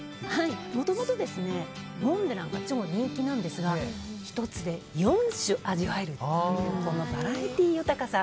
もともとモンブランが超人気なんですが１つで４種味わえるというこのバラエティー豊かさ。